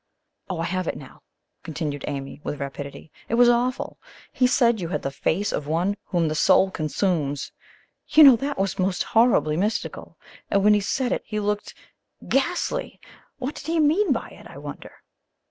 "Oh, I have it now," continued Amy with rapidity; "it was awful! He said you had the FACE OF ONE WHOM THE SOUL CONSUMES. You know that was most horribly mystical! And when he said it he looked ghastly! What did he mean by it, I wonder?"